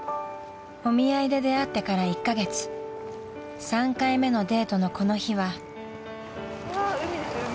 ［お見合いで出会ってから１カ月３回目のデートのこの日は］